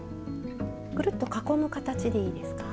くるっと囲む形でいいですか？